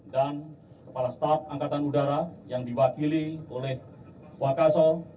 dan kepala staf angkatan udara yang diwakili oleh wakaso